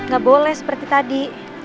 gak boleh seperti tadi